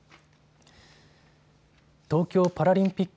東京パラリンピック